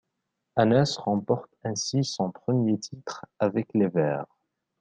Anas remporte ainsi son premier titre avec les verts.